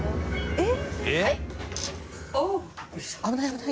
えっ？